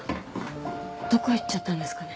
どこ行っちゃったんですかね？